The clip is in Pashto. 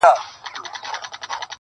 • هغه کوهی دی جهاني هغه د وروڼو جفا -